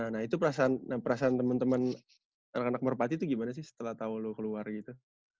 nah itu perasaan temen temen anak anak merepati tuh gimana sih setelah tau lu keluar gitu